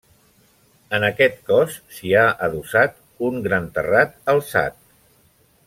En aquest cos s'hi ha adossat un gran terrat alçat.